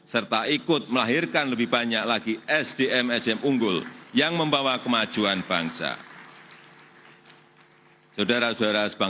serta ikut melahirkan lebih banyak lagi sdm sdm unggul yang membawa kemajuan bangsa